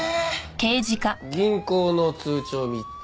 銀行の通帳３つ。